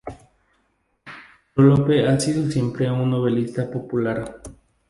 Trollope ha sido siempre un novelista popular.